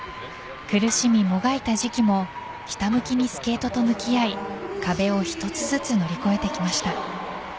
苦しみ、もがいた時期もひたむきにスケートと向き合い壁を一つずつ乗り越えてきました。